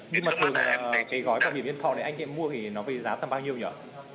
nhưng mà thường cái gói bảo hiểm nhân thọ này anh mua thì nó về giá tầm bao nhiêu nhở